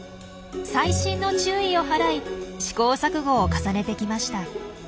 細心の注意を払い試行錯誤を重ねてきました。